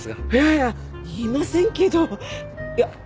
いややりませんけど！